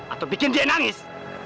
atau bikin dia nangis